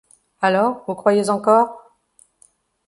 Alors, vous croyez encore. .